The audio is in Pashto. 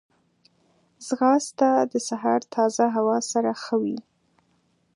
ځغاسته د سهار تازه هوا سره ښه وي